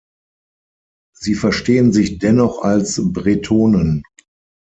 Sie verstehen sich dennoch als Bretonen.